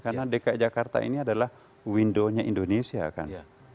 karena dki jakarta ini adalah window nya indonesia kan